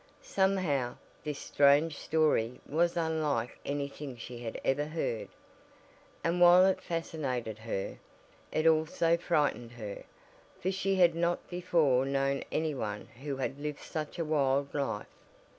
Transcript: Somehow, this strange story was unlike anything she had ever heard, and while it fascinated her, it also frightened her, for she had not before known anyone who had lived such a wild life.